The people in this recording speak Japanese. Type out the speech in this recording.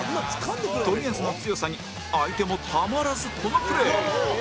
冨安の強さに相手もたまらずこのプレー